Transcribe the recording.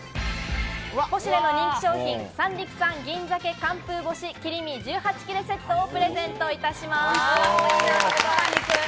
『ポシュレ』の人気商品「三陸産銀鮭寒風干し切り身１８切セット」をプレゼントいたします。